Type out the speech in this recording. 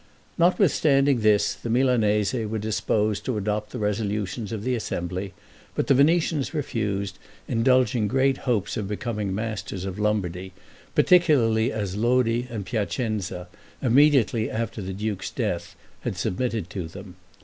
Notwithstanding this, the Milanese were disposed to adopt the resolutions of the assembly, but the Venetians refused, indulging great hopes of becoming masters of Lombardy, particularly as Lodi and Piacenza, immediately after the duke's death, had submitted to them.